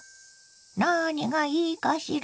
何がいいかしら。